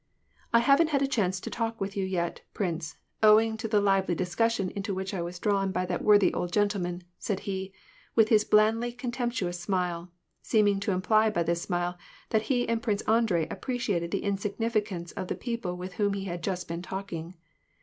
" I haven't had a chance to talk with you yet, prince, owing to the lively discussion into which I was drawn by that worthy old gentleman," said he, with his blandly contemptuous smile, seeming to imply by this smile that he and Prince Andrei appreciated the insignificance of the people with whom he had just been talking.